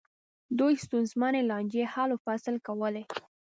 دوی ستونزمنې لانجې حل و فصل کولې.